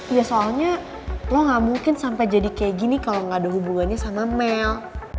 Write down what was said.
ya soalnya lo gak mungkin sampai jadi kayak gini kalau gak ada hubungannya sama mel